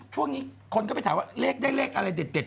ช่วงนี้คนก็ไปถามว่าเลขได้เลขอะไรเด็ด